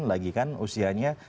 lagi kan usianya